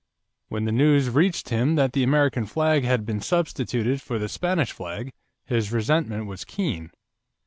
When the news reached him that the American flag had been substituted for the Spanish flag, his resentment was keen.